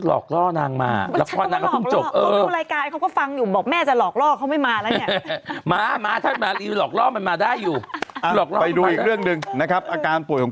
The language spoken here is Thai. หลอกล่อนางมาละไปดูอีกเรื่องหนึ่งนะครับอาการป่วยของ